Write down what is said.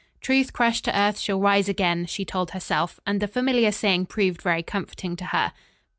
"Truth crushed to earth shall rise again," she told herself, and the familiar saying proved very comforting to her.